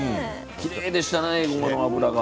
きれいでしたね、えごまの油が。